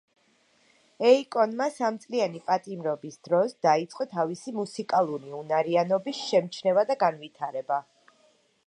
ეიკონმა სამწლიანი პატიმრობის დროს, დაიწყო თავისი მუსიკალური უნარიანობის შემჩნევა და განვითარება.